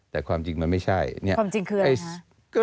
แต่ความจริงมันไม่ใช่เนี่ยความจริงคืออะไรคะ